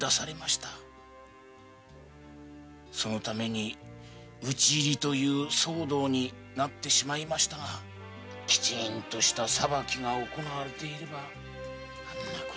そのために討ち入りという騒動になってしまいましたがきちんとした裁きが行われていればこんな事には。